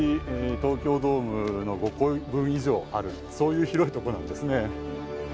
東京ドームの５個分以上あるそういう広いとこなんですね。